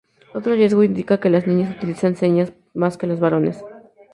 Otro hallazgo indica que las niñas utilizan señas más que los varones.